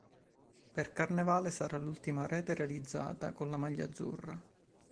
Per Carnevale sarà l'ultima rete realizzata con la maglia azzurra.